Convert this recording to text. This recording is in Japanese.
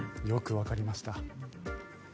よくわかりました。